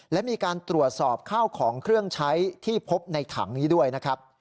และมีการตรวจสอบข้าวของเครื่องใช้ที่พบในถังนี้ด้วยนะครับ